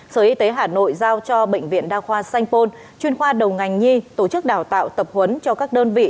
sở y tế hà nội giao cho bệnh viện đa khoa sanh pôn chuyên khoa đầu ngành nhi tổ chức đào tạo tập huấn cho các đơn vị